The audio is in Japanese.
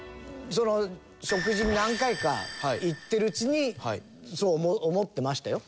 食事に何回か行ってるうちにそう思ってましたよ。